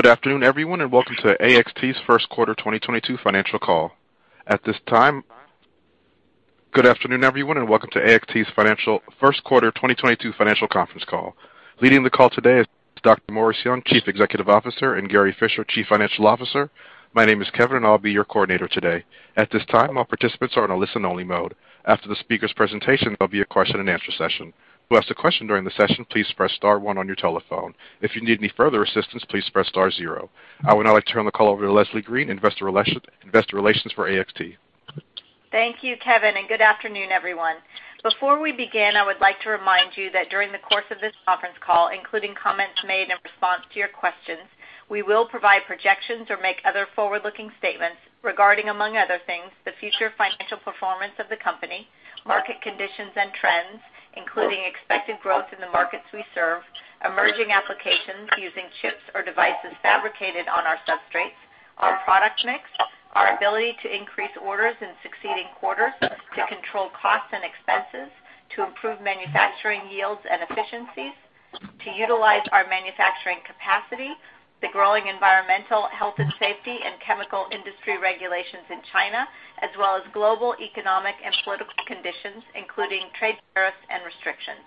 Good afternoon, everyone, and welcome to AXT's first quarter 2022 financial conference call. Leading the call today is Dr. Morris Young, Chief Executive Officer, and Gary Fischer, Chief Financial Officer. My name is Kevin, and I'll be your coordinator today. At this time, all participants are on a listen-only mode. After the speakers' presentation, there'll be a question-and-answer session. To ask a question during the session, please press star one on your telephone. If you need any further assistance, please press star zero. I would now like to turn the call over to Leslie Green, Investor Relations for AXT. Thank you, Kevin, and good afternoon, everyone. Before we begin, I would like to remind you that during the course of this conference call, including comments made in response to your questions, we will provide projections or make other forward-looking statements regarding, among other things, the future financial performance of the company, market conditions and trends, including expected growth in the markets we serve, emerging applications using chips or devices fabricated on our substrates, our product mix, our ability to increase orders in succeeding quarters to control costs and expenses, to improve manufacturing yields and efficiencies, to utilize our manufacturing capacity, the growing environmental health and safety and chemical industry regulations in China, as well as global economic and political conditions, including trade tariffs and restrictions.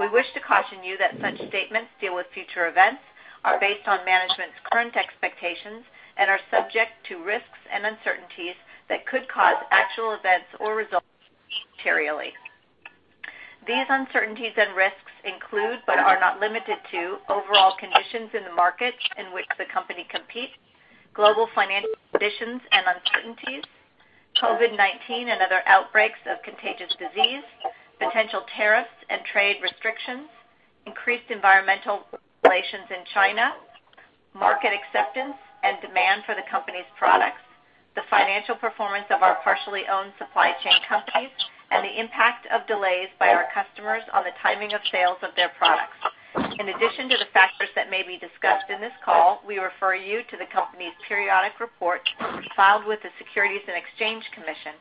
We wish to caution you that such statements deal with future events, are based on management's current expectations and are subject to risks and uncertainties that could cause actual events or results materially. These uncertainties and risks include, but are not limited to, overall conditions in the markets in which the company competes, global financial conditions and uncertainties, COVID-19 and other outbreaks of contagious disease, potential tariffs and trade restrictions, increased environmental regulations in China, market acceptance and demand for the company's products, the financial performance of our partially owned supply chain companies, and the impact of delays by our customers on the timing of sales of their products. In addition to the factors that may be discussed in this call, we refer you to the company's periodic report filed with the Securities and Exchange Commission.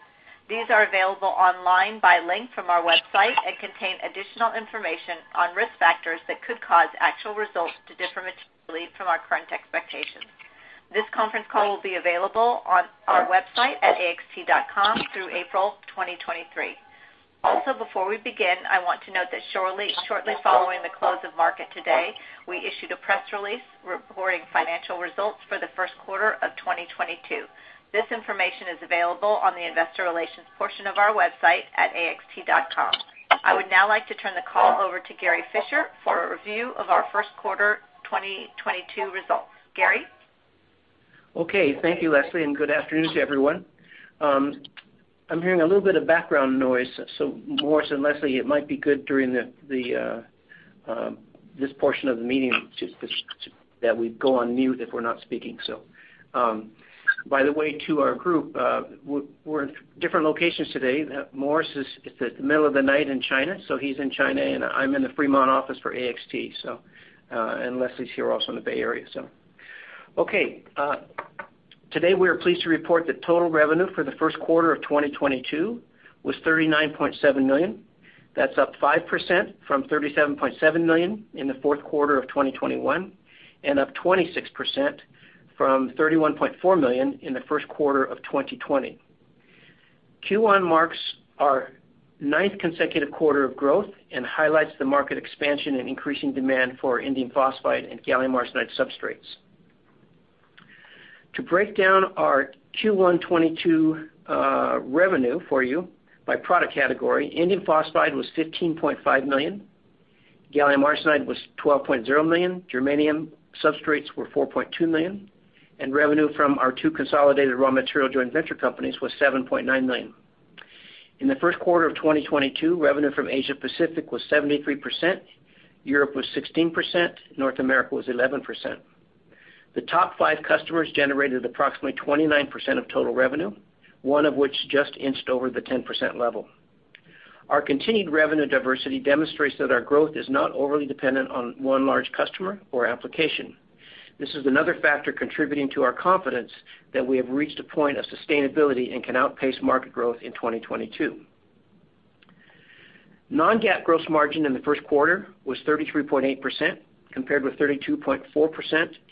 These are available online by link from our website and contain additional information on risk factors that could cause actual results to differ materially from our current expectations. This conference call will be available on our website at axt.com through April 2023. Also, before we begin, I want to note that shortly following the close of market today, we issued a press release reporting financial results for the first quarter of 2022. This information is available on the investor relations portion of our website at axt.com. I would now like to turn the call over to Gary Fischer for a review of our first quarter 2022 results. Gary? Okay, thank you, Leslie, and good afternoon to everyone. I'm hearing a little bit of background noise, so Morris and Leslie, it might be good during this portion of the meeting that we go on mute if we're not speaking. By the way, to our group, we're in different locations today. Morris is, it's the middle of the night in China, so he's in China, and I'm in the Fremont office for AXT, and Leslie's here also in the Bay Area. Okay. Today we are pleased to report that total revenue for the first quarter of 2022 was $39.7 million. That's up 5% from $37.7 million in the fourth quarter of 2021, and up 26% from $31.4 million in the first quarter of 2020. Q1 marks our ninth consecutive quarter of growth and highlights the market expansion and increasing demand for indium phosphide and gallium arsenide substrates. To break down our Q1 2022 revenue for you by product category, indium phosphide was $15.5 million, gallium arsenide was $12.0 million, germanium substrates were $4.2 million, and revenue from our two consolidated raw material joint venture companies was $7.9 million. In the first quarter of 2022, revenue from Asia Pacific was 73%, Europe was 16%, North America was 11%. The top five customers generated approximately 29% of total revenue, one of which just inched over the 10% level. Our continued revenue diversity demonstrates that our growth is not overly dependent on one large customer or application. This is another factor contributing to our confidence that we have reached a point of sustainability and can outpace market growth in 2022. Non-GAAP gross margin in the first quarter was 33.8%, compared with 32.4%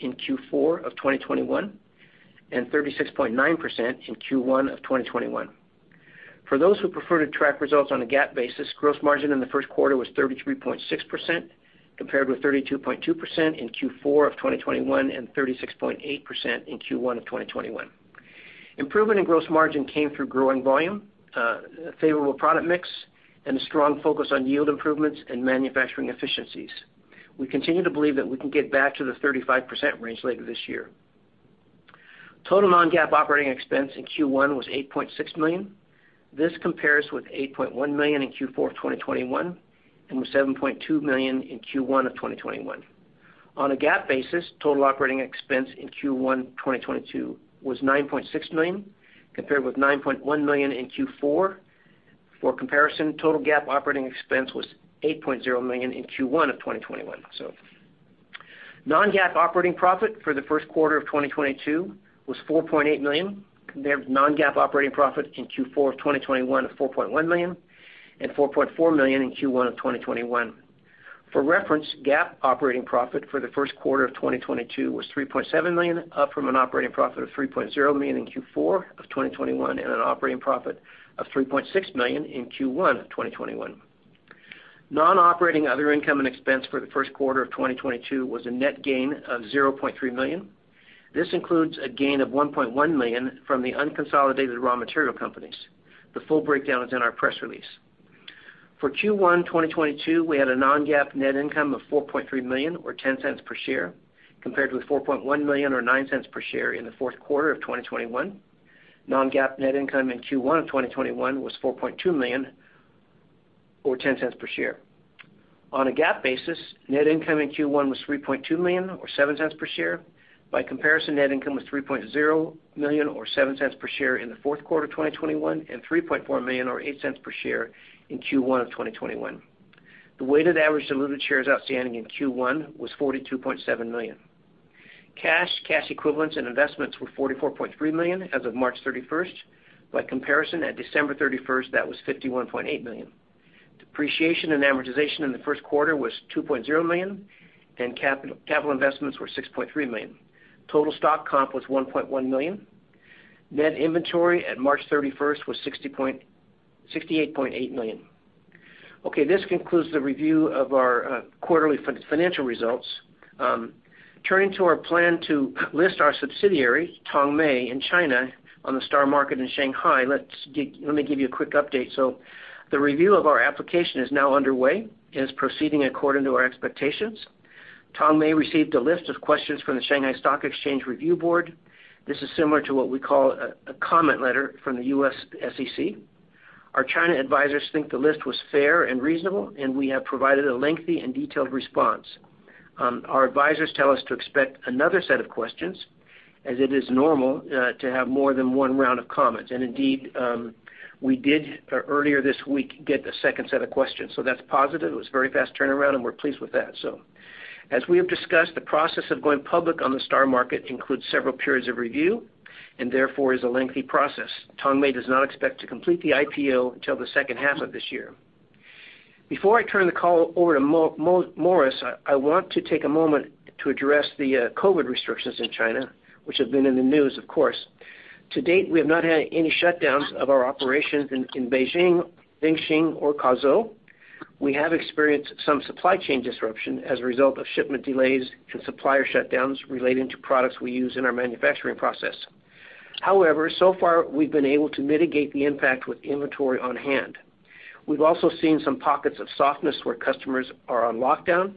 in Q4 of 2021, and 36.9% in Q1 of 2021. For those who prefer to track results on a GAAP basis, gross margin in the first quarter was 33.6%, compared with 32.2% in Q4 of 2021, and 36.8% in Q1 of 2021. Improvement in gross margin came through growing volume, favorable product mix, and a strong focus on yield improvements and manufacturing efficiencies. We continue to believe that we can get back to the 35% range later this year. Total non-GAAP operating expense in Q1 was $8.6 million. This compares with $8.1 million in Q4 of 2021 and with $7.2 million in Q1 of 2021. On a GAAP basis, total operating expense in Q1 2022 was $9.6 million, compared with $9.1 million in Q4. For comparison, total GAAP operating expense was $8.0 million in Q1 of 2021. Non-GAAP operating profit for the first quarter of 2022 was $4.8 million, compared with non-GAAP operating profit in Q4 of 2021 of $4.1 million and $4.4 million in Q1 of 2021. For reference, GAAP operating profit for the first quarter of 2022 was $3.7 million, up from an operating profit of $3.0 million in Q4 of 2021, and an operating profit of $3.6 million in Q1 of 2021. Non-operating other income and expense for the first quarter of 2022 was a net gain of $0.3 million. This includes a gain of $1.1 million from the unconsolidated raw material companies. The full breakdown is in our press release. For Q1 2022, we had a non-GAAP net income of $4.3 million or $0.10 per share, compared to the $4.1 million or $0.09 per share in the fourth quarter of 2021. Non-GAAP net income in Q1 of 2021 was $4.2 million or $0.10 per share. On a GAAP basis, net income in Q1 was $3.2 million or $0.07 per share. By comparison, net income was $3.0 million or $0.07 per share in the fourth quarter of 2021, and $3.4 million or $0.08 per share in Q1 of 2021. The weighted average diluted shares outstanding in Q1 was 42.7 million. Cash, cash equivalents and investments were $44.3 million as of March 31. By comparison, at December 31, that was $51.8 million. Depreciation and amortization in the first quarter was $2.0 million, and capital investments were $6.3 million. Total stock comp was $1.1 million. Net inventory at March 31 was $68.8 million. Okay, this concludes the review of our quarterly financial results. Turning to our plan to list our subsidiary, Tongmei, in China on the STAR Market in Shanghai, let's dig. Let me give you a quick update. The review of our application is now underway, is proceeding according to our expectations. Tongmei received a list of questions from the Shanghai Stock Exchange Review Board. This is similar to what we call a comment letter from the U.S. SEC. Our China advisors think the list was fair and reasonable, and we have provided a lengthy and detailed response. Our advisors tell us to expect another set of questions as it is normal to have more than one round of comments. And indeed, we did earlier this week get a second set of questions. That's positive. It was very fast turnaround, and we're pleased with that. As we have discussed, the process of going public on the STAR Market includes several periods of review and therefore is a lengthy process. Tongmei does not expect to complete the IPO until the second half of this year. Before I turn the call over to Morris, I want to take a moment to address the COVID restrictions in China, which have been in the news of course. To date, we have not had any shutdowns of our operations in Beijing, Dingxing or Kazuo. We have experienced some supply chain disruption as a result of shipment delays and supplier shutdowns relating to products we use in our manufacturing process. However, so far we've been able to mitigate the impact with inventory on hand. We've also seen some pockets of softness where customers are on lockdown,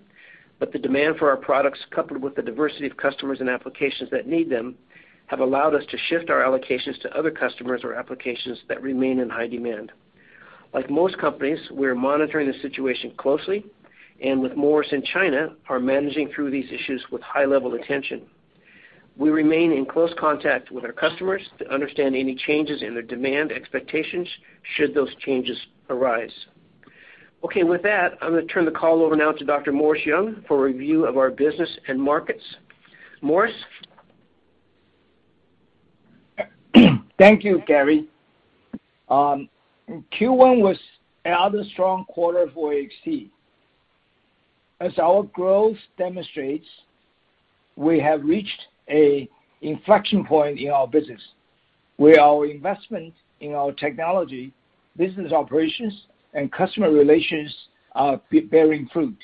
but the demand for our products, coupled with the diversity of customers and applications that need them, have allowed us to shift our allocations to other customers or applications that remain in high demand. Like most companies, we are monitoring the situation closely and with Morris in China, are managing through these issues with high level attention. We remain in close contact with our customers to understand any changes in their demand expectations should those changes arise. Okay. With that, I'm gonna turn the call over now to Dr. Morris Young for review of our business and markets. Morris? Thank you, Gary. Q1 was another strong quarter for AXT. As our growth demonstrates, we have reached a inflection point in our business where our investment in our technology, business operations and customer relations are bearing fruit.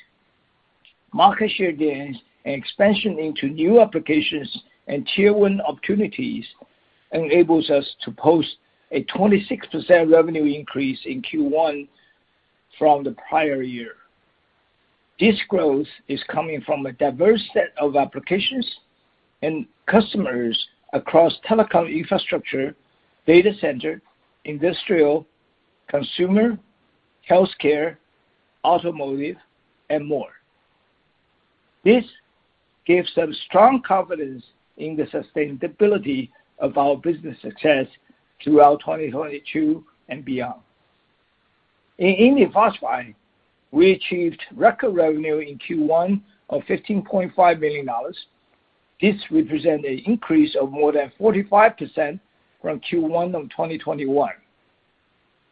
Market share gains and expansion into new applications and Tier One opportunities enables us to post a 26% revenue increase in Q1 from the prior year. This growth is coming from a diverse set of applications and customers across telecom infrastructure, data center, industrial, consumer, healthcare, automotive and more. This gives us strong confidence in the sustainability of our business success throughout 2022 and beyond. In indium phosphide, we achieved record revenue in Q1 of $15.5 million. This represent an increase of more than 45% from Q1 of 2021,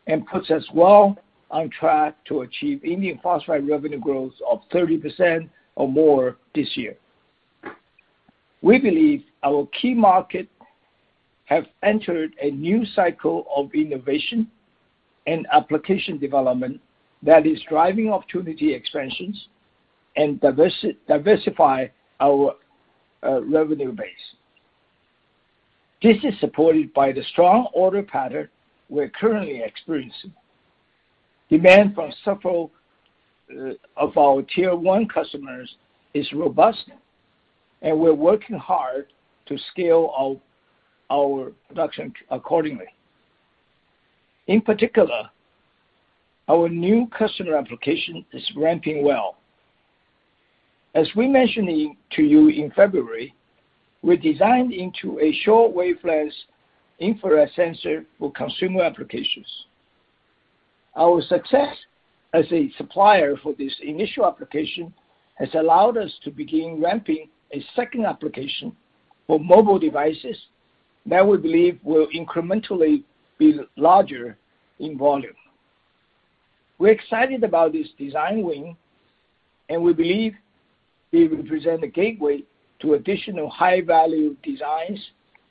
and puts us well on track to achieve indium phosphide revenue growth of 30% or more this year. We believe our key market have entered a new cycle of innovation and application development that is driving opportunity expansions and diversify our revenue base. This is supported by the strong order pattern we're currently experiencing. Demand from several of our Tier One customers is robust, and we're working hard to scale our production accordingly. In particular, our new customer application is ramping well. As we mentioned to you in February, we're designed into a short-wave infrared sensor for consumer applications. Our success as a supplier for this initial application has allowed us to begin ramping a second application for mobile devices that we believe will incrementally be larger in volume. We're excited about this design win, and we believe they will present a gateway to additional high-value designs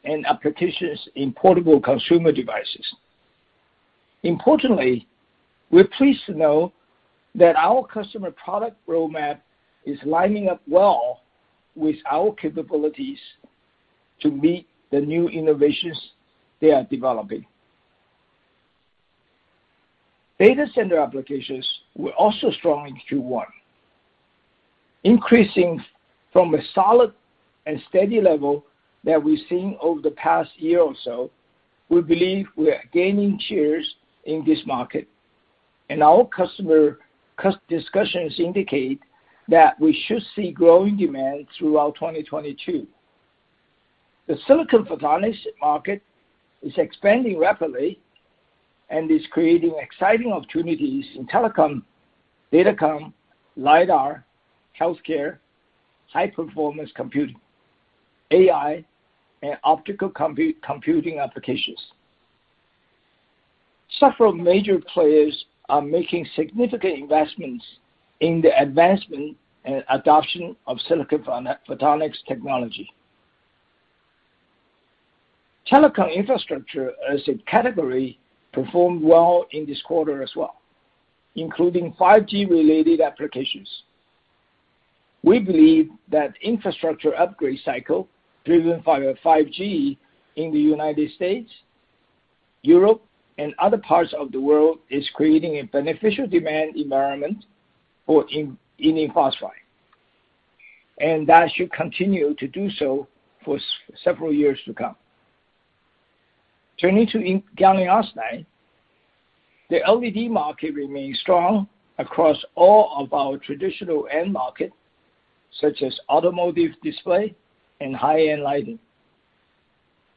and applications in portable consumer devices. Importantly, we're pleased to know that our customer product roadmap is lining up well with our capabilities to meet the new innovations they are developing. Data center applications were also strong in Q1, increasing from a solid and steady level that we've seen over the past year or so. We believe we are gaining shares in this market, and our customer discussions indicate that we should see growing demand throughout 2022. The silicon photonics market is expanding rapidly and is creating exciting opportunities in telecom, datacom, LiDAR, healthcare, high-performance computing, AI, and optical computing applications. Several major players are making significant investments in the advancement and adoption of silicon photonics technology. Telecom infrastructure as a category performed well in this quarter as well, including 5G related applications. We believe that infrastructure upgrade cycle, driven by 5G in the United States, Europe, and other parts of the world, is creating a beneficial demand environment for indium phosphide, and that should continue to do so for several years to come. Turning to gallium arsenide, the LED market remains strong across all of our traditional end market, such as automotive display and high-end lighting.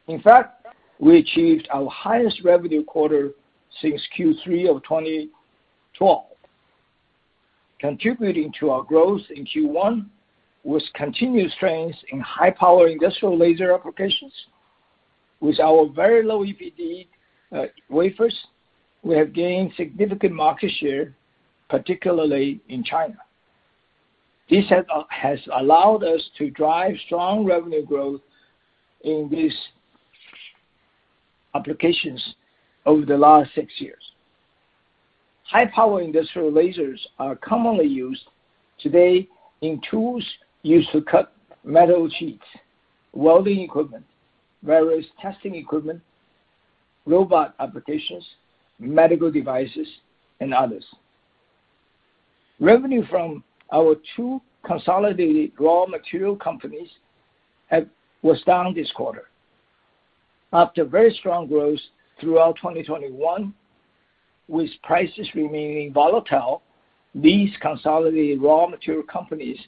In fact, we achieved our highest revenue quarter since Q3 of 2012. Contributing to our growth in Q1 was continued strength in high-power industrial laser applications. With our very low EPD wafers, we have gained significant market share, particularly in China. This has allowed us to drive strong revenue growth in these applications over the last six years. High-power industrial lasers are commonly used today in tools used to cut metal sheets, welding equipment, various testing equipment, robot applications, medical devices, and others. Revenue from our two consolidated raw material companies was down this quarter. After very strong growth throughout 2021, with prices remaining volatile, these consolidated raw material companies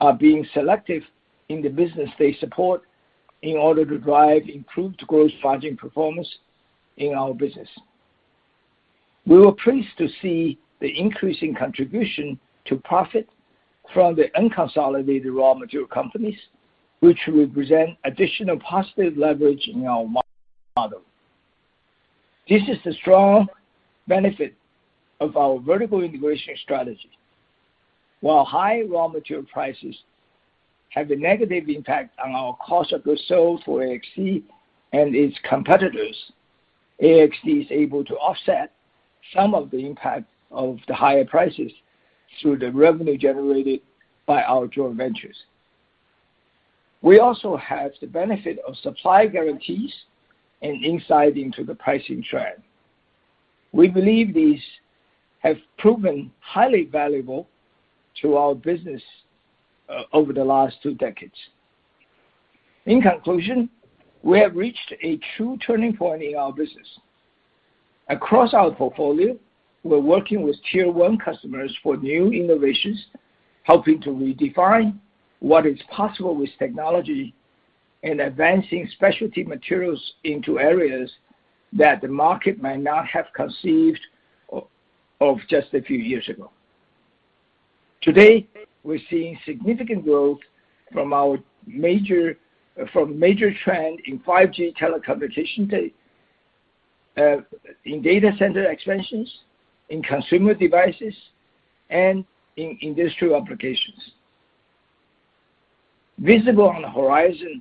are being selective in the business they support in order to drive improved gross margin performance in our business. We were pleased to see the increasing contribution to profit from the unconsolidated raw material companies, which represent additional positive leverage in our model. This is the strong benefit of our vertical integration strategy. While high raw material prices have a negative impact on our cost of goods sold for AXT and its competitors, AXT is able to offset some of the impact of the higher prices through the revenue generated by our joint ventures. We also have the benefit of supply guarantees and insight into the pricing trend. We believe these have proven highly valuable to our business over the last two decades. In conclusion, we have reached a true turning point in our business. Across our portfolio, we're working with tier one customers for new innovations, helping to redefine what is possible with technology and advancing specialty materials into areas that the market might not have conceived of just a few years ago. Today, we're seeing significant growth from major trend in 5G telecommunication, in data center expansions, in consumer devices, and in industrial applications. Visible on the horizon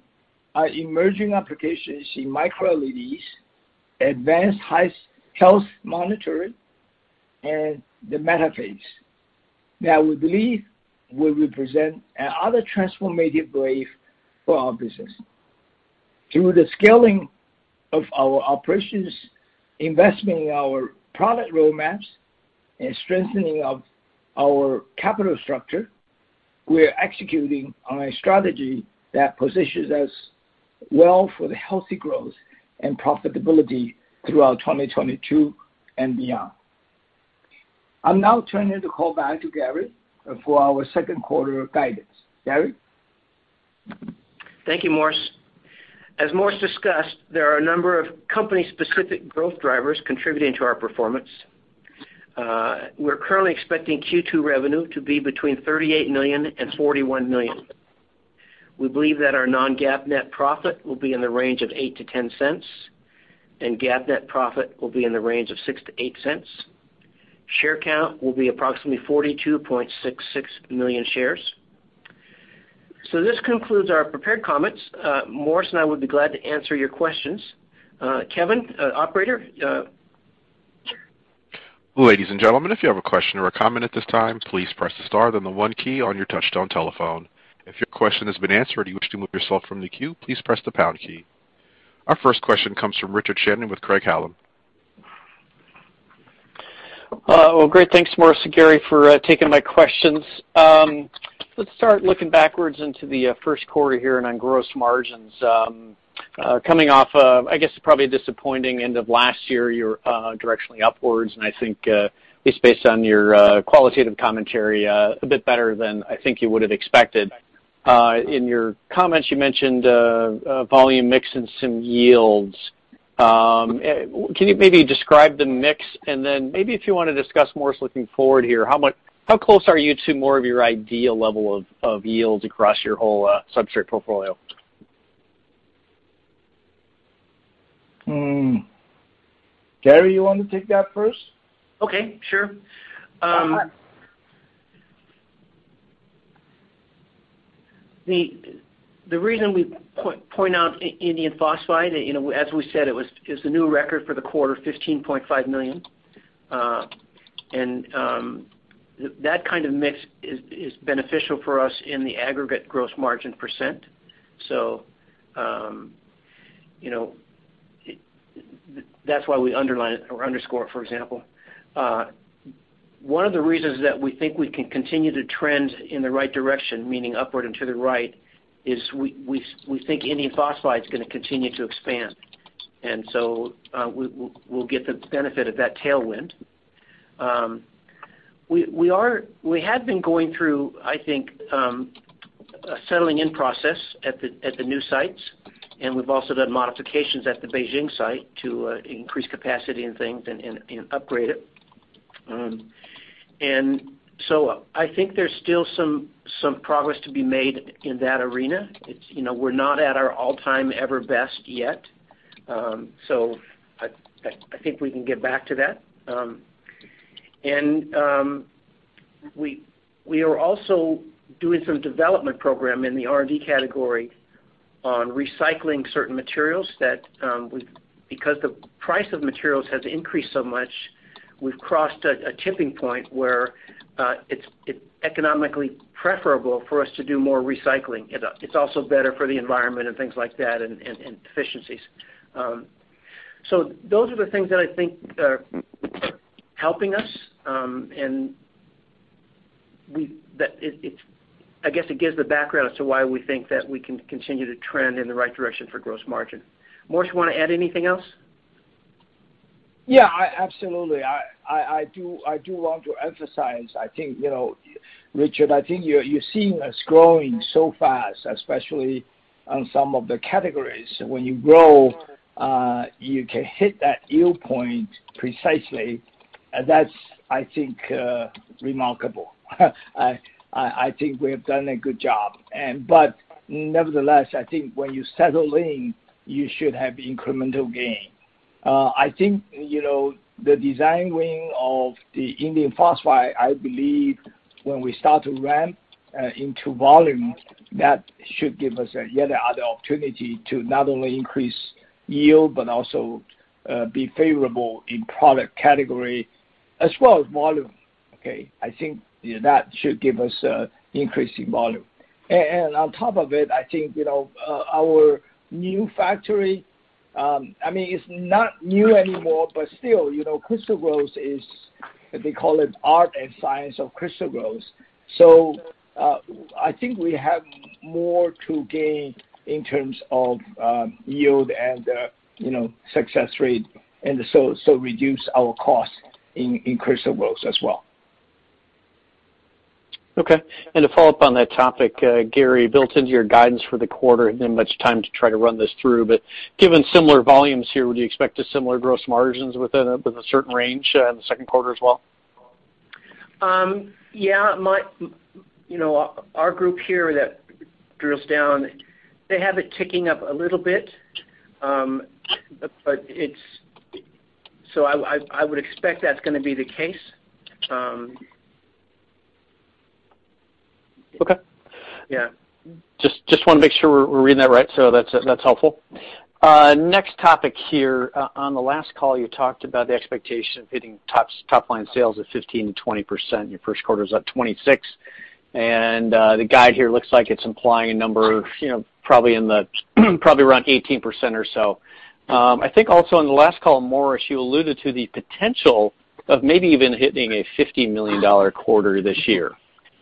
are emerging applications in micro-LEDs, advanced high-speed health monitoring, and the metaverse that we believe will represent another transformative wave for our business. Through the scaling of our operations, investment in our product roadmaps, and strengthening of our capital structure, we are executing on a strategy that positions us well for the healthy growth and profitability throughout 2022 and beyond. I'll now turn the call back to Gary for our second quarter guidance. Gary? Thank you, Morris. As Morris discussed, there are a number of company-specific growth drivers contributing to our performance. We're currently expecting Q2 revenue to be between $38 million and $41 million. We believe that our non-GAAP net profit will be in the range of $0.08-$0.10, and GAAP net profit will be in the range of $0.06-$0.08. Share count will be approximately 42.66 million shares. This concludes our prepared comments. Morris and I would be glad to answer your questions. Kevin, operator. Ladies and gentlemen, if you have a question or a comment at this time, please press the star, then the one key on your touch-tone telephone. If your question has been answered and you wish to remove yourself from the queue, please press the pound key. Our first question comes from Richard Shannon with Craig-Hallum. Well, great, thanks Morris and Gary for taking my questions. Let's start looking backwards into the first quarter here and on gross margins. Coming off, I guess, probably a disappointing end of last year, you're directionally upwards, and I think, at least based on your qualitative commentary, a bit better than I think you would have expected. In your comments you mentioned volume mix and some yields. Can you maybe describe the mix? Then maybe if you wanna discuss more looking forward here, how close are you to more of your ideal level of yields across your whole substrate portfolio? Gary, you want to take that first? Okay, sure. The reason we point out indium phosphide, you know, as we said, it was, it's a new record for the quarter, $15.5 million. That kind of mix is beneficial for us in the aggregate gross margin %. That's why we underline it or underscore it, for example. One of the reasons that we think we can continue to trend in the right direction, meaning upward and to the right, is we think indium phosphide is gonna continue to expand. We'll get the benefit of that tailwind. We have been going through, I think, a settling in process at the new sites, and we've also done modifications at the Beijing site to increase capacity and things and upgrade it. I think there's still some progress to be made in that arena. It's, you know, we're not at our all-time ever best yet. I think we can get back to that. We are also doing some development program in the R&D category on recycling certain materials because the price of materials has increased so much, we've crossed a tipping point where it's economically preferable for us to do more recycling. It's also better for the environment and things like that and efficiencies. Those are the things that I think are helping us. I guess it gives the background as to why we think that we can continue to trend in the right direction for gross margin. Morris, you wanna add anything else? Yeah. Absolutely. I do want to emphasize, I think, you know, Richard, I think you're seeing us growing so fast, especially on some of the categories. When you grow, you can hit that yield point precisely, and that's, I think, remarkable. I think we have done a good job. But nevertheless, I think when you settle in, you should have incremental gain. I think, you know, the design win of the indium phosphide, I believe when we start to ramp into volume, that should give us yet another opportunity to not only increase yield, but also be favorable in product category as well as volume, okay? I think, you know, that should give us increase in volume. On top of it, I think, you know, our new factory, I mean, it's not new anymore, but still, you know, crystal growth is, they call it art and science of crystal growth. I think we have more to gain in terms of, yield and, you know, success rate, and so reduce our cost in crystal growth as well. Okay. To follow up on that topic, Gary, built into your guidance for the quarter, didn't have much time to try to run this through, but given similar volumes here, would you expect a similar gross margins within a certain range, in the second quarter as well? Yeah. You know, our group here that drills down, they have it ticking up a little bit. I would expect that's gonna be the case. Okay. Yeah. Just wanna make sure we're reading that right. So that's helpful. Next topic here. On the last call, you talked about the expectation of hitting top line sales of 15%-20%. Your first quarter is up 26%, and the guide here looks like it's implying a number, you know, probably around 18% or so. I think also on the last call, Morris, you alluded to the potential of maybe even hitting a $50 million quarter this year.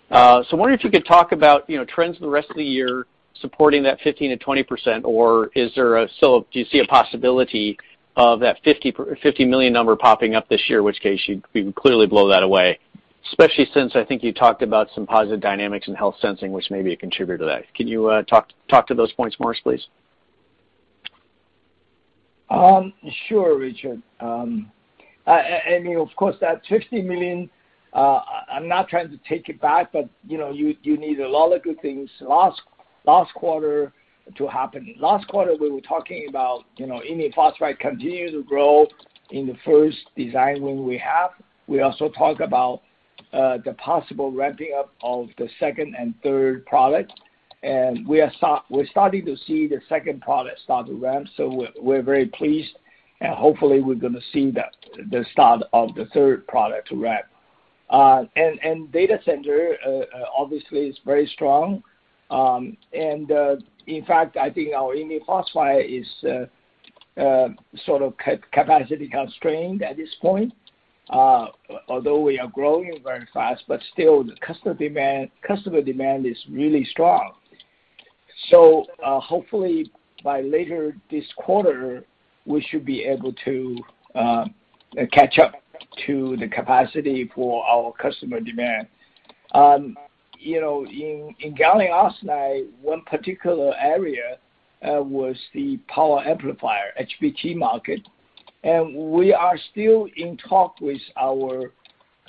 So I wonder if you could talk about, you know, trends for the rest of the year supporting that 15%-20%, or do you see a possibility of that $50 million number popping up this year? We would clearly blow that away. Especially since I think you talked about some positive dynamics in health sensing, which may be a contributor to that. Can you talk to those points, Morris, please? Sure, Richard. Of course, that $50 million, I'm not trying to take it back, but, you know, you need a lot of good things last quarter to happen. Last quarter, we were talking about, you know, indium phosphide continued to grow in the first design win we have. We also talk about, the possible ramping up of the second and third product. We're starting to see the second product start to ramp, so we're very pleased, and hopefully we're gonna see the start of the third product to ramp. Data center obviously is very strong. In fact, I think our indium phosphide is sort of capacity constrained at this point, although we are growing very fast, but still the customer demand is really strong. Hopefully by later this quarter, we should be able to catch up to the capacity for our customer demand. You know, in gallium arsenide, one particular area was the power amplifier, HBT market. We are still in talk with our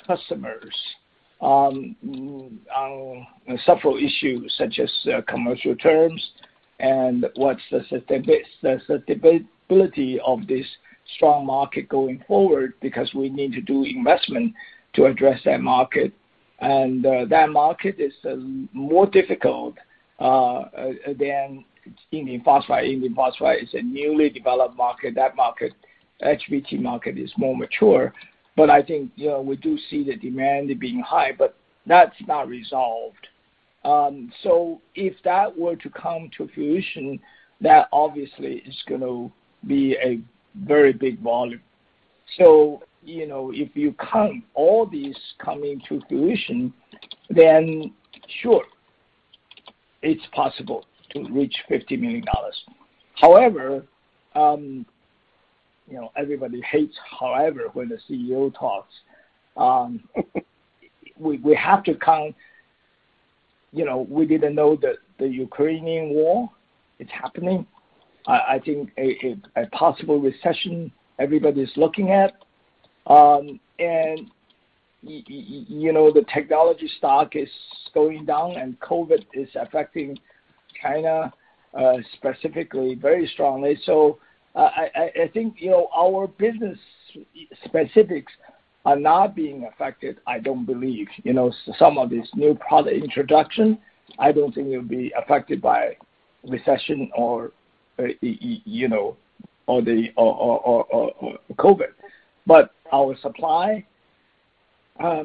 customers on several issues such as commercial terms and what's the sustainability of this strong market going forward, because we need to do investment to address that market. That market is more difficult than indium phosphide. Indium phosphide is a newly developed market. That market, HBT market, is more mature. I think, you know, we do see the demand being high, but that's not resolved. If that were to come to fruition, that obviously is gonna be a very big volume. You know, if you count all these coming to fruition, then sure, it's possible to reach $50 million. However, you know, everybody hates however when the CEO talks. We have to count, you know, we didn't know the Ukrainian war is happening. I think a possible recession everybody's looking at. You know, the technology stock is going down, and COVID is affecting China, specifically very strongly. I think, you know, our business specifics are not being affected, I don't believe. You know, some of these new product introduction, I don't think will be affected by recession or you know, or COVID. Our supply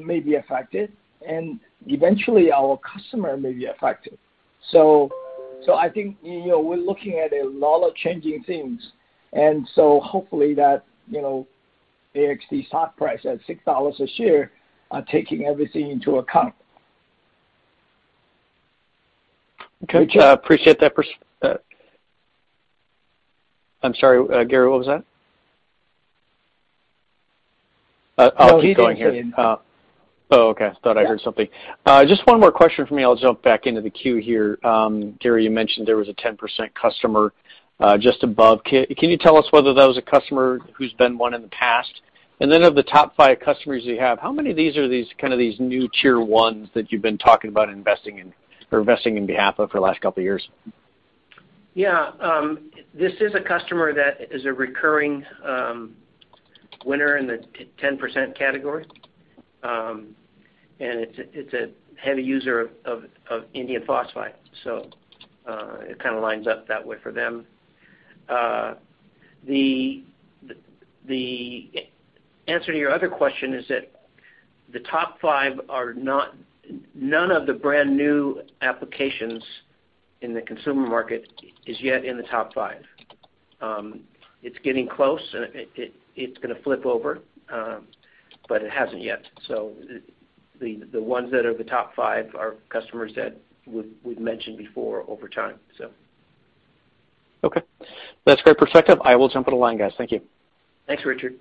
may be affected, and eventually our customer may be affected. I think, you know, we're looking at a lot of changing things, and so hopefully that, you know, AXT stock price at $6 a share are taking everything into account. Okay. I'm sorry, Gary, what was that? I'll keep going here. No, he didn't say anything. Oh, okay. Thought I heard something. Just one more question for me. I'll jump back into the queue here. Gary, you mentioned there was a 10% customer, just above. Can you tell us whether that was a customer who's been one in the past? Then of the top five customers you have, how many of these are kind of new tier ones that you've been talking about investing in or investing in behalf of for the last couple of years? Yeah. This is a customer that is a recurring winner in the 10% category. It's a heavy user of indium phosphide, so it kinda lines up that way for them. The answer to your other question is that none of the brand-new applications in the consumer market is yet in the top five. It's getting close. It's gonna flip over, but it hasn't yet. The ones that are the top five are customers that we've mentioned before over time. Okay. That's great perspective. I will jump on the line, guys. Thank you. Thanks, Richard.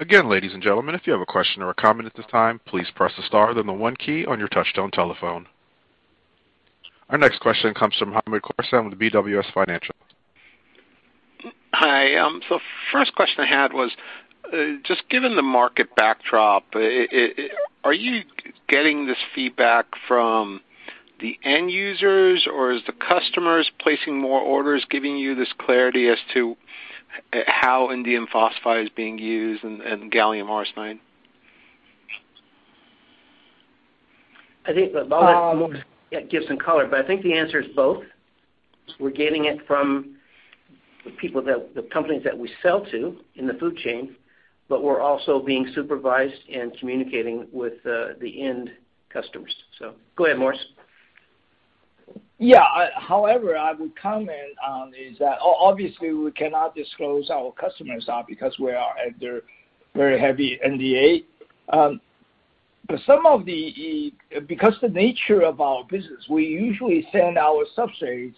Again, ladies and gentlemen, if you have a question or a comment at this time, please press the star then the one key on your touchtone telephone. Our next question comes from Hamed Khorsand with BWS Financial. Hi. First question I had was, just given the market backdrop, are you getting this feedback from the end users, or is the customers placing more orders giving you this clarity as to how indium phosphide is being used and gallium arsenide? I think that, Morris, yeah, give some color, but I think the answer is both. We're getting it from the companies that we sell to in the food chain, but we're also being supervised and communicating with the end customers. Go ahead, Morris. Yeah. However, I would comment on is that obviously, we cannot disclose our customers now because we are under very heavy NDA. Because the nature of our business, we usually send our substrates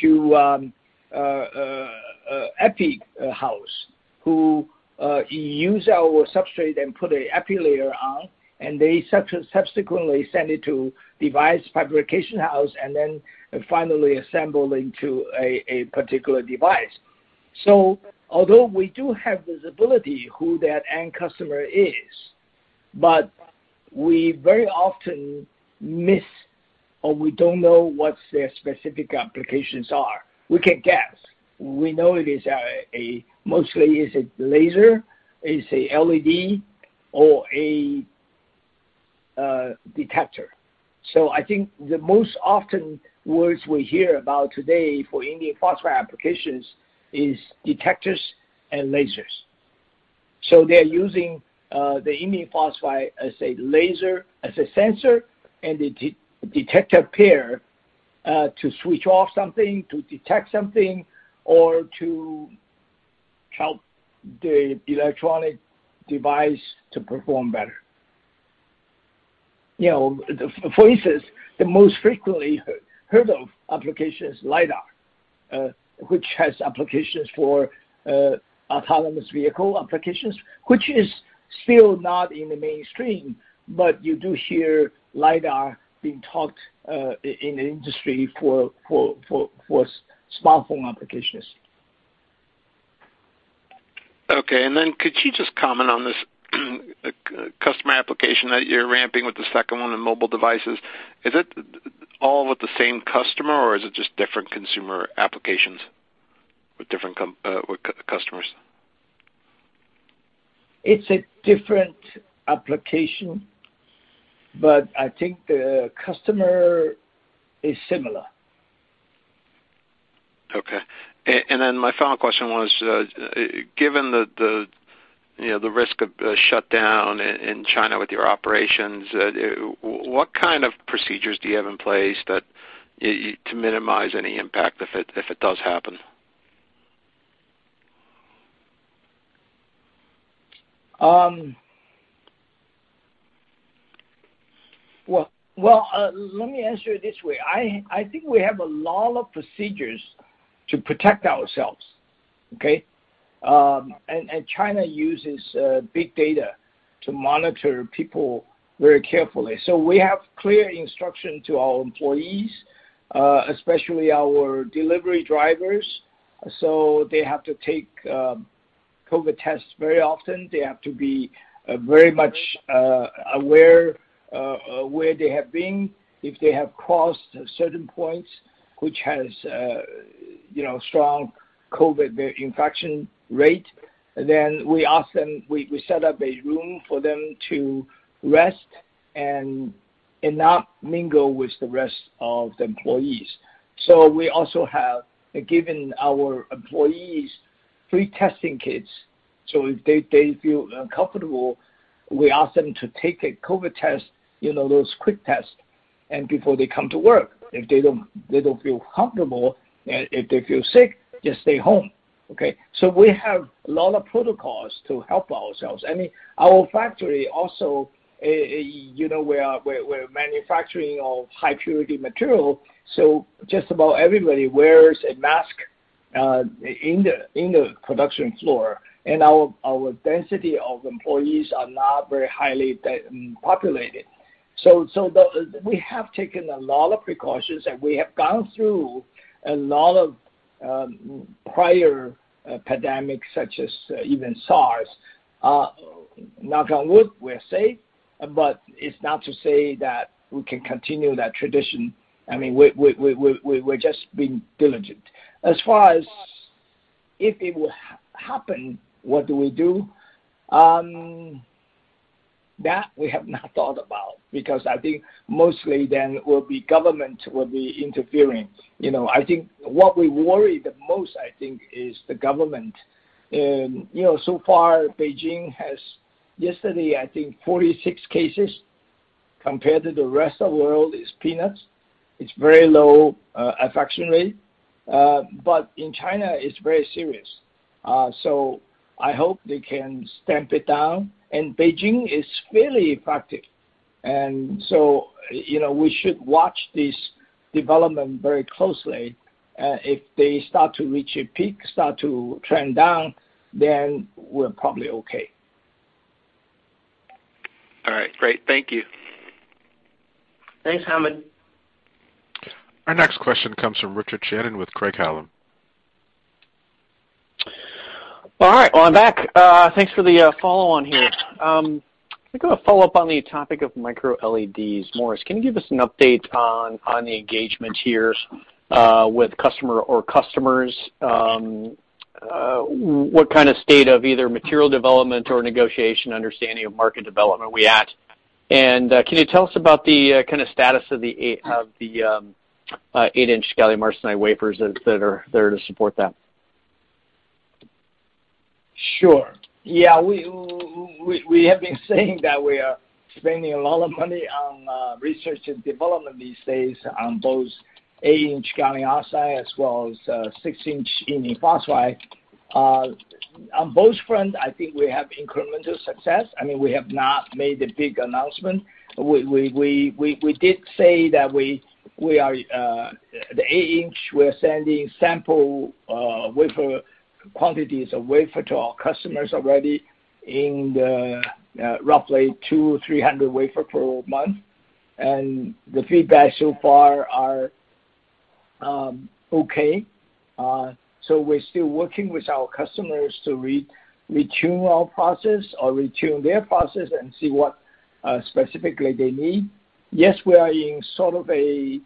to epi house who use our substrate and put a epi layer on, and they subsequently send it to device fabrication house and then finally assemble into a particular device. Although we do have visibility who that end customer is, but we very often miss or we don't know what their specific applications are. We can guess. We know it is a mostly is a laser, is a LED, or a detector. I think the most often words we hear about today for indium phosphide applications is detectors and lasers. They're using the indium phosphide as a laser, as a sensor, and detector pair to switch off something, to detect something, or to help the electronic device to perform better. You know, for instance, the most frequently heard of application is LiDAR, which has applications for autonomous vehicle applications, which is still not in the mainstream, but you do hear LiDAR being talked in the industry for smartphone applications. Okay. Could you just comment on this customer application that you're ramping with the second one on mobile devices. Is it all with the same customer, or is it just different consumer applications with different customers? It's a different application, but I think the customer is similar. Okay. My final question was, given the, you know, the risk of a shutdown in China with your operations, what kind of procedures do you have in place that you to minimize any impact if it does happen? Well, let me answer it this way. I think we have a lot of procedures to protect ourselves, okay? China uses big data to monitor people very carefully. We have clear instruction to our employees, especially our delivery drivers. They have to take COVID tests very often. They have to be very much aware where they have been. If they have crossed certain points which has strong COVID infection rate, then we ask them. We set up a room for them to rest and not mingle with the rest of the employees. We also have given our employees free testing kits, so if they feel uncomfortable, we ask them to take a COVID test, you know, those quick tests and before they come to work. If they don't, they don't feel comfortable, if they feel sick, just stay home, okay? We have a lot of protocols to help ourselves. I mean, our factory also, you know, we're manufacturing of high purity material, so just about everybody wears a mask in the production floor. Our density of employees are not very highly populated. We have taken a lot of precautions, and we have gone through a lot of prior pandemics such as even SARS. Knock on wood, we're safe, but it's not to say that we can continue that tradition. I mean, we're just being diligent. As far as if it will happen, what do we do? That we have not thought about because I think mostly then will be government will be interfering. You know, I think what we worry the most, I think, is the government. You know, so far Beijing has yesterday, I think 46 cases compared to the rest of the world is peanuts. It's very low infection rate. In China it's very serious. I hope they can stamp it down. Beijing is fairly effective, and so, you know, we should watch this development very closely. If they start to reach a peak, start to trend down, then we're probably okay. All right. Great. Thank you. Thanks, Hamed. Our next question comes from Richard Shannon with Craig-Hallum. All right. Well, I'm back. Thanks for the follow-on here. I think I'm gonna follow up on the topic of micro-LEDs. Morris, can you give us an update on the engagement here with customer or customers? What kind of state of either material development or negotiation understanding of market development are we at? Can you tell us about the kind of status of the 8-inch gallium arsenide wafers that are there to support that? Sure. Yeah. We have been saying that we are spending a lot of money on research and development these days on both 8-inch gallium arsenide as well as 6-inch indium phosphide. On both front, I think we have incremental success. I mean, we have not made a big announcement. We did say that we are the 8-inch, we're sending sample wafer quantities of wafer to our customers already in the roughly 200-300 wafer per month. The feedback so far are okay. We're still working with our customers to retune our process or retune their process and see what specifically they need. Yes, we are in sort of a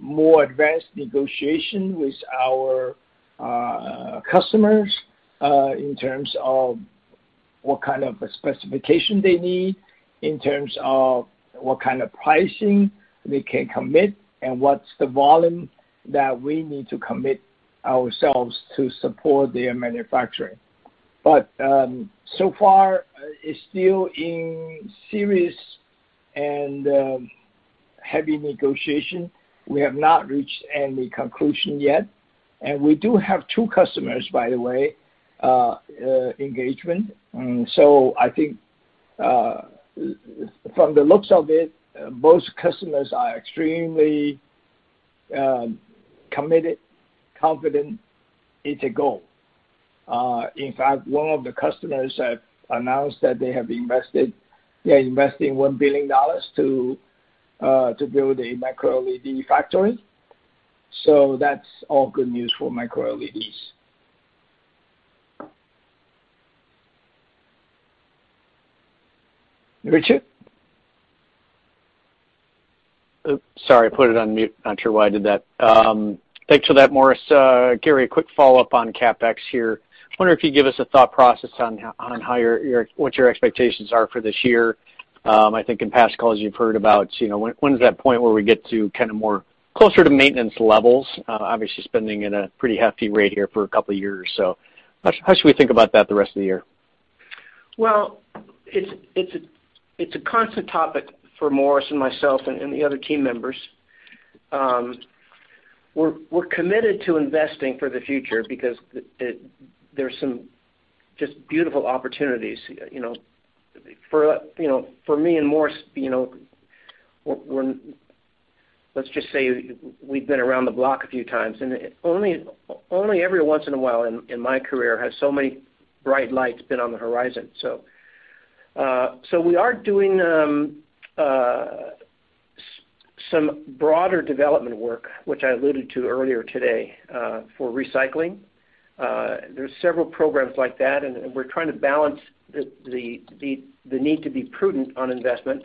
more advanced negotiation with our customers in terms of what kind of specification they need, in terms of what kind of pricing we can commit, and what's the volume that we need to commit ourselves to support their manufacturing. So far, it's still in serious and heavy negotiation. We have not reached any conclusion yet. We do have two customers, by the way, engagement. I think from the looks of it, both customers are extremely committed, confident it's a go. In fact, one of the customers have announced that they're investing $1 billion to build a micro-LED factory. That's all good news for micro-LEDs. Richard? Oops, sorry, I put it on mute. Not sure why I did that. Thanks for that, Morris. Gary, a quick follow-up on CapEx here. I wonder if you give us a thought process on what your expectations are for this year. I think in past calls you've heard about, you know, when is that point where we get to kind of more closer to maintenance levels, obviously spending at a pretty hefty rate here for a couple of years. How should we think about that the rest of the year? Well, it's a constant topic for Morris and myself and the other team members. We're committed to investing for the future because there's some just beautiful opportunities, you know, for me and Morris, you know, Let's just say we've been around the block a few times, and only every once in a while in my career has so many bright lights been on the horizon. We are doing some broader development work, which I alluded to earlier today, for recycling. There's several programs like that, and we're trying to balance the need to be prudent on investment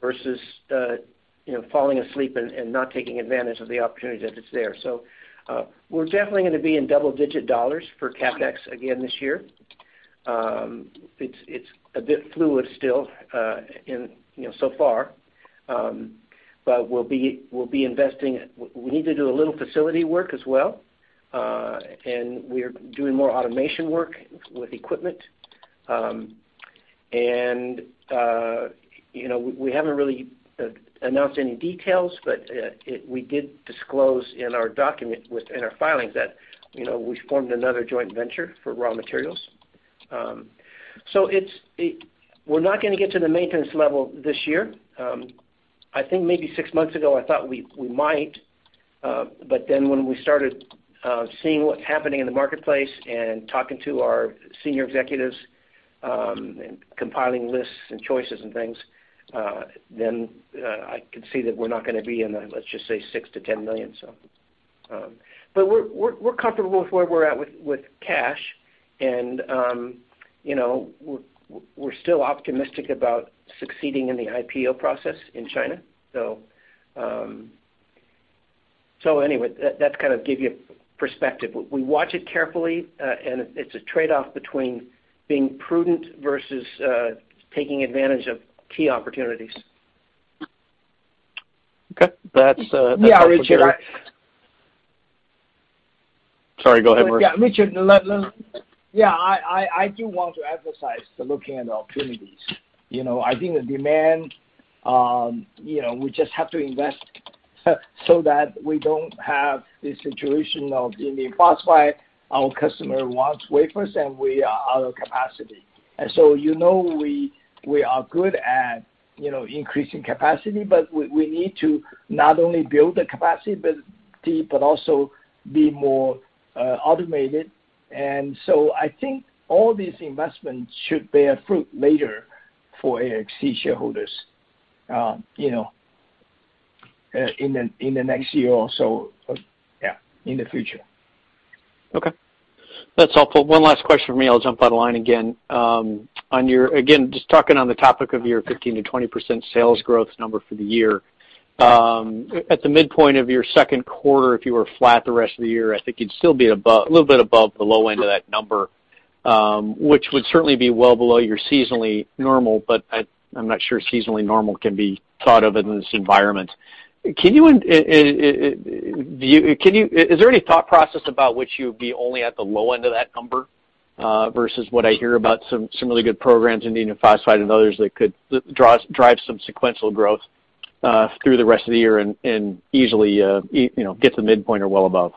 versus, you know, falling asleep and not taking advantage of the opportunity that is there. We're definitely gonna be in double-digit dollars for CapEx again this year. It's a bit fluid still, you know, so far. We'll be investing. We need to do a little facility work as well, and we are doing more automation work with equipment. You know, we haven't really announced any details, but we did disclose in our document in our filings that, you know, we formed another joint venture for raw materials. We're not gonna get to the maintenance level this year. I think maybe six months ago, I thought we might, but then when we started seeing what's happening in the marketplace and talking to our senior executives and compiling lists and choices and things, then I can see that we're not gonna be in the, let's just say, $6 million-$10 million. We're comfortable with where we're at with cash and, you know, we're still optimistic about succeeding in the IPO process in China. Anyway, that kind of gave you perspective. We watch it carefully, and it's a trade-off between being prudent versus taking advantage of key opportunities. Okay. That's all for me. Yeah, Richard. Sorry, go ahead, Morris. Yeah, Richard. Yeah, I do want to emphasize the looking at opportunities. You know, I think the demand, you know, we just have to invest so that we don't have the situation of in the past where our customer wants wafers and we are out of capacity. You know, we are good at, you know, increasing capacity, but we need to not only build the capacity, but also be more automated. I think all these investments should bear fruit later for AXT shareholders, you know, in the next year or so. Yeah, in the future. Okay. That's all. One last question for me, I'll jump out of line again. On your again, just talking on the topic of your 15%-20% sales growth number for the year. At the midpoint of your second quarter, if you were flat the rest of the year, I think you'd still be above a little bit above the low end of that number, which would certainly be well below your seasonally normal, but I'm not sure seasonally normal can be thought of in this environment. Can you. Is there any thought process about which you'd be only at the low end of that number? Versus what I hear about some really good programs, indium phosphide and others that could drive some sequential growth through the rest of the year and easily, you know, get to midpoint or well above.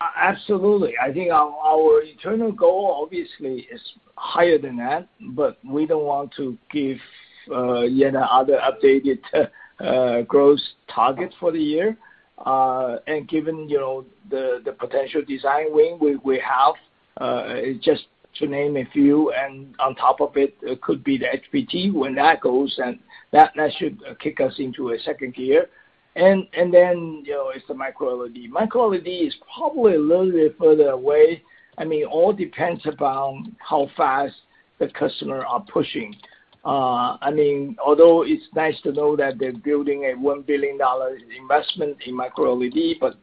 Absolutely. I think our internal goal obviously is higher than that, but we don't want to give yet another updated growth target for the year. Given you know the potential design win we have just to name a few, and on top of it could be the HBT when that goes, and that should kick us into a second gear. Then you know it's the microLED. MicroLED is probably a little bit further away. I mean all depends upon how fast the customer are pushing. I mean although it's nice to know that they're building a $1 billion investment in microLED, but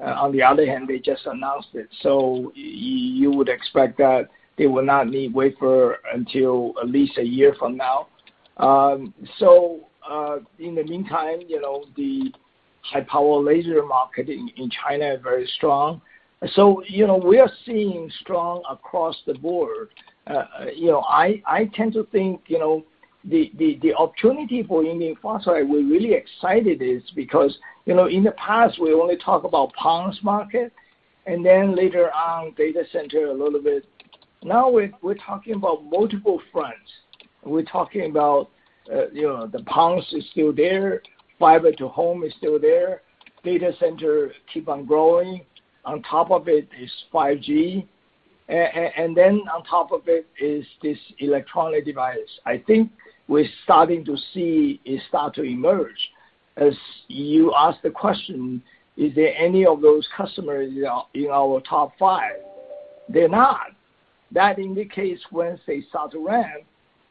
on the other hand, they just announced it. You would expect that they will not need wafer until at least a year from now. In the meantime, you know, the high power laser market in China are very strong. You know, we are seeing strong across the board. You know, I tend to think, you know, the opportunity for indium phosphide, we're really excited is because, you know, in the past we only talk about PONs market, and then later on data center a little bit. Now we're talking about multiple fronts. We're talking about, you know, the PONs is still there, fiber to home is still there, data center keep on growing. On top of it is 5G. And then on top of it is this electronic device. I think we're starting to see it start to emerge. As you ask the question, is there any of those customers in our top five? They're not. That indicates once they start to ramp,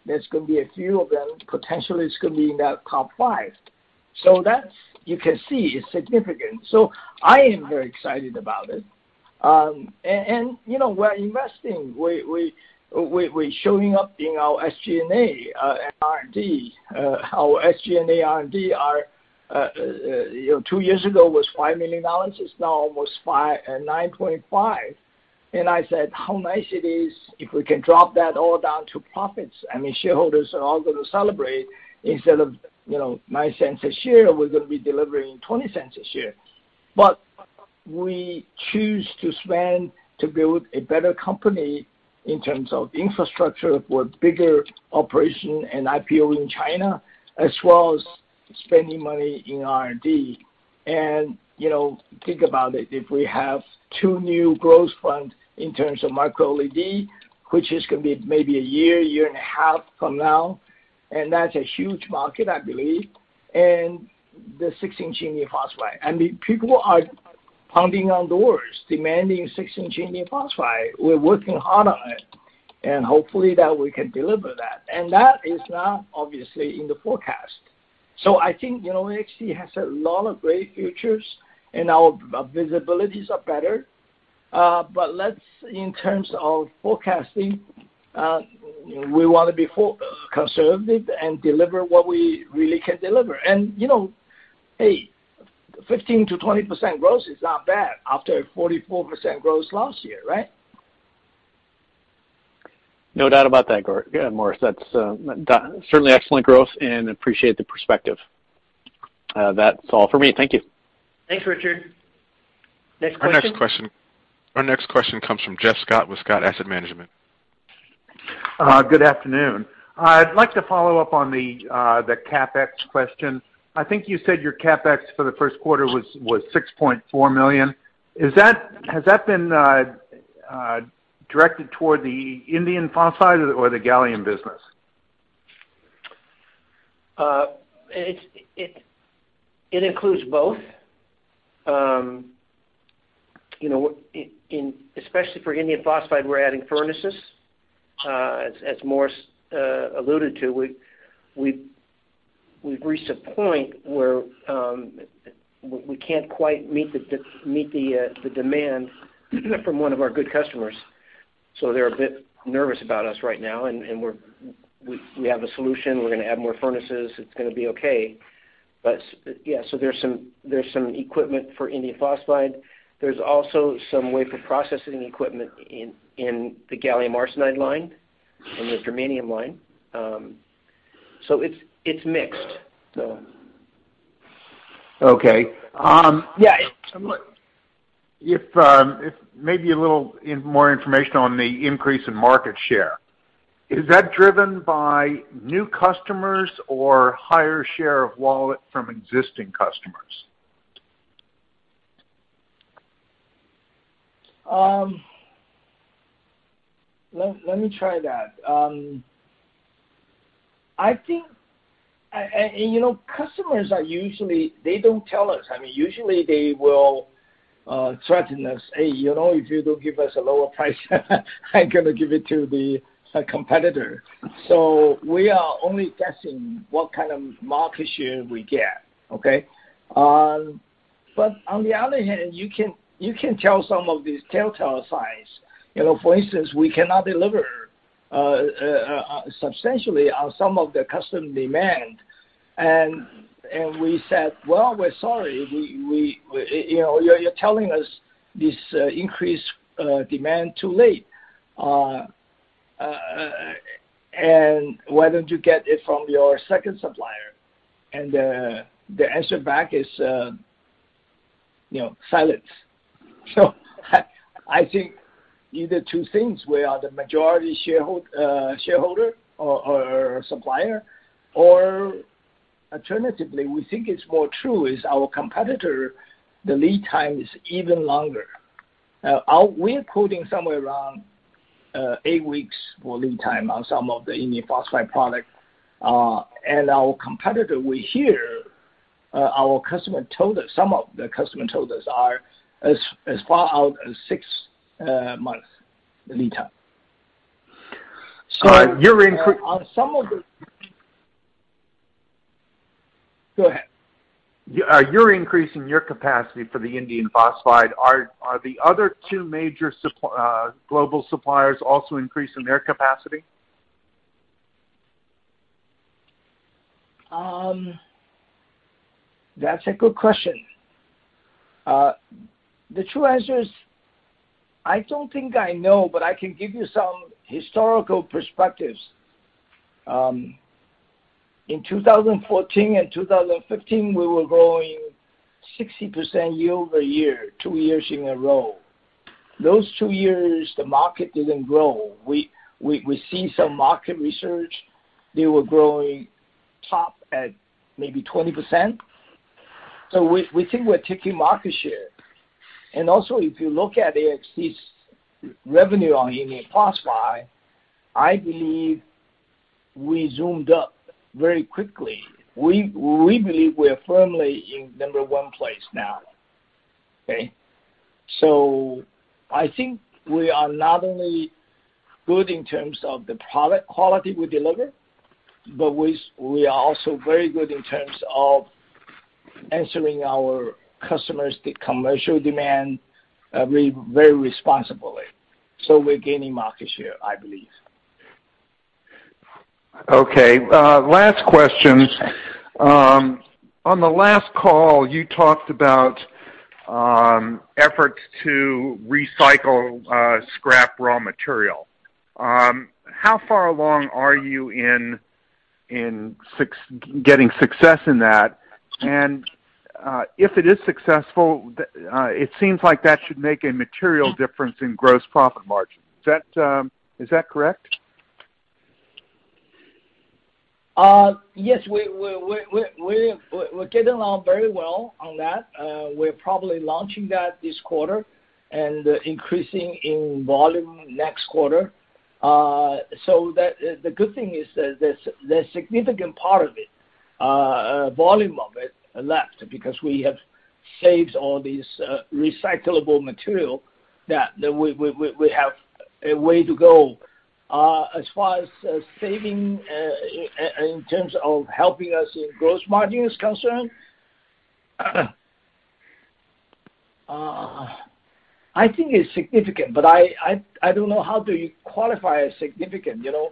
there's gonna be a few of them, potentially it's gonna be in our top 5. That's. You can see it's significant. I am very excited about it. You know, we're investing. We're showing up in our SG&A, R&D. Our SG&A and R&D are, you know, two years ago was $5 million, it's now almost $9.5 million. I said, how nice it is if we can drop that all down to profits, I mean, shareholders are all gonna celebrate instead of, you know, $0.09 a share, we're gonna be delivering $0.20 a share. We choose to spend to build a better company in terms of infrastructure with bigger operation and IPO in China, as well as spending money in R&D. You know, think about it, if we have two new growth funds in terms of micro-LED, which is gonna be maybe a year and a half from now, and that's a huge market, I believe, and the six-inch indium phosphide. I mean, people are pounding on doors demanding six-inch indium phosphide. We're working hard on it, and hopefully that we can deliver that. That is not obviously in the forecast. I think, you know, AXT has a lot of great futures and our visibilities are better. But let's in terms of forecasting, we want to be conservative and deliver what we really can deliver. You know, hey, 15%-20% growth is not bad after 44% growth last year, right? No doubt about that, yeah, Morris. That's certainly excellent growth and appreciate the perspective. That's all for me. Thank you. Thanks, Richard. Next question. Our next question comes from Geoff Scott with Scott Asset Management. Good afternoon. I'd like to follow up on the CapEx question. I think you said your CapEx for the first quarter was $6.4 million. Has that been directed toward the indium phosphide or the gallium business? It includes both. You know, especially for indium phosphide, we're adding furnaces. As Morris alluded to, we've reached a point where we can't quite meet the demand from one of our good customers. They're a bit nervous about us right now, and we have a solution. We're gonna add more furnaces. It's gonna be okay. Yeah, there's some equipment for indium phosphide. There's also some wafer processing equipment in the gallium arsenide line, in the germanium line. It's mixed. Okay. Yeah. If maybe a little more information on the increase in market share. Is that driven by new customers or higher share of wallet from existing customers? Let me try that. I think you know, customers are usually, they don't tell us. I mean, usually they will threaten us. "Hey, you know, if you don't give us a lower price, I'm gonna give it to a competitor." We are only guessing what kind of market share we get. Okay? On the other hand, you can tell some of these telltale signs. You know, for instance, we cannot deliver substantially on some of the customer demand. We said, "Well, we're sorry, we you know, you're telling us this increased demand too late, and why don't you get it from your second supplier?" The answer back is you know, silence. I think either two things: we are the majority shareholder or supplier, or alternatively, we think it's more true is our competitor, the lead time is even longer. We're quoting somewhere around 8 weeks for lead time on some of the indium phosphide product. Our competitor, we hear, our customer told us. Some of the customers told us are as far out as 6 months lead time. Uh, you're increa- Go ahead. You're increasing your capacity for the indium phosphide. Are the other two major suppliers also increasing their capacity? That's a good question. The true answer is I don't think I know, but I can give you some historical perspectives. In 2014 and 2015, we were growing 60% year-over-year, two years in a row. Those two years, the market didn't grow. We see some market research. They were growing top at maybe 20%. So we think we're taking market share. Also, if you look at AXT's revenue on indium phosphide, I believe we zoomed up very quickly. We believe we're firmly in number one place now. Okay. So I think we are not only good in terms of the product quality we deliver, but we are also very good in terms of answering our customers, the commercial demand, very responsibly. So we're gaining market share, I believe. Okay. Last question. On the last call, you talked about efforts to recycle scrap raw material. How far along are you in getting success in that? If it is successful, it seems like that should make a material difference in gross profit margin. Is that correct? Yes. We're getting on very well on that. We're probably launching that this quarter and increasing in volume next quarter. The good thing is that there's significant part of it, volume of it left because we have saved all these recyclable material that we have a way to go. As far as saving in terms of helping us in gross margin is concerned, I think it's significant, but I don't know how do you qualify as significant, you know.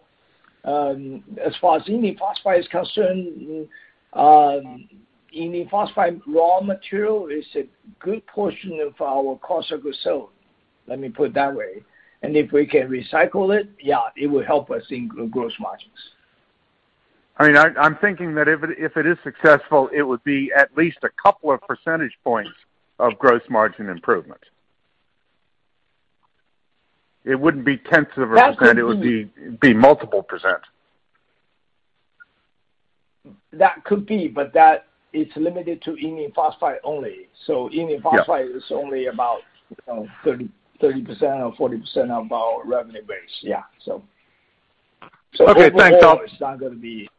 As far as indium phosphide is concerned, indium phosphide raw material is a good portion of our cost of goods sold, let me put it that way. If we can recycle it, yeah, it will help us in gross margins. I mean, I'm thinking that if it is successful, it would be at least a couple of percentage points of gross margin improvement. It wouldn't be tenths of a %. That could be. It would be multiple %. That could be, but that is limited to indium phosphide only. Yeah. is only about, you know, 30% or 40% of our revenue base. Yeah, so. Overall, it's. Overall, it's not gonna be.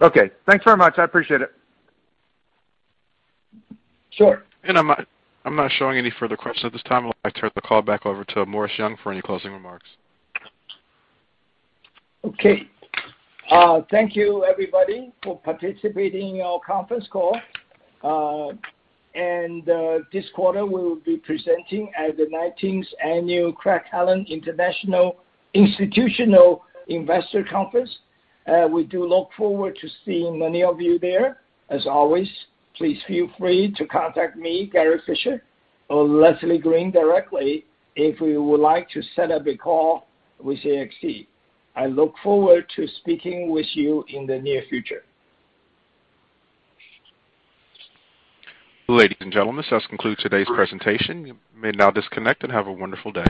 Okay. Thanks very much. I appreciate it. Sure. I'm not showing any further questions at this time. I'd like to turn the call back over to Dr. Morris Young for any closing remarks. Okay. Thank you, everybody, for participating in our conference call. This quarter, we will be presenting at the nineteenth Annual Craig-Hallum International Institutional Investor Conference. We do look forward to seeing many of you there. As always, please feel free to contact me, Gary Fischer or Leslie Green directly if you would like to set up a call with AXT. I look forward to speaking with you in the near future. Ladies and gentlemen, this does conclude today's presentation. You may now disconnect and have a wonderful day.